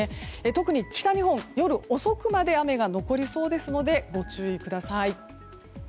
特に北日本夜遅くまで雨が残りそうですのでご注意ください。